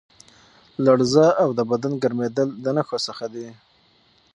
لړزه او د بدن ګرمېدل د نښو څخه دي.